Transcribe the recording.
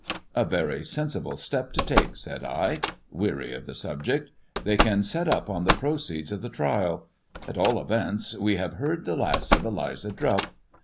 '', "A very sensible step to take," said I, weary of the subject. " They can set up on the proceeds of the trial At all events we have heard the last of Eliza Drupp."